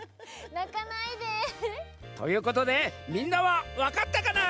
なかないで。ということでみんなはわかったかな？